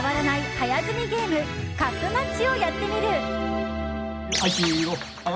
早積みゲームカップマッチをやってみる。